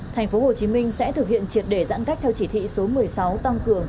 thành phố hồ chí minh sẽ thực hiện triệt để giãn cách theo chỉ thị số một mươi sáu tăng cường